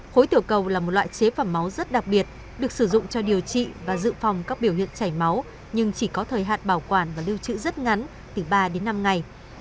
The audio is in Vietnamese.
khối tiểu cầu là một loại chế phẩm máu rất đặc biệt được sử dụng cho điều trị và dự phòng các biểu hiện chảy máu nhưng chỉ có thời hạn bảo quản và lưu trữ rất ngắn từ ba đến năm ngày